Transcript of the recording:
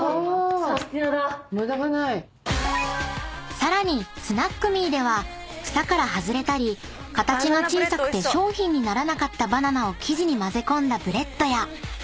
［さらにｓｎａｑ．ｍｅでは房から外れたり形が小さくて商品にならなかったバナナを生地に混ぜ込んだブレッドや］